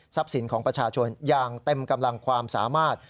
สินของประชาชนอย่างเต็มกำลังความสามารถ